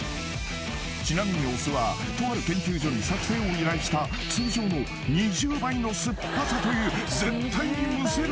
［ちなみにお酢はとある研究所に作製を依頼した通常の２０倍の酸っぱさという絶対にむせるものを用意］